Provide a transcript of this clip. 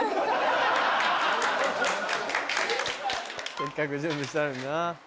せっかく準備したのにな。